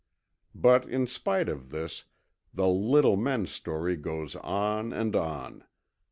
But in spite of this, the "little men" story goes on and on.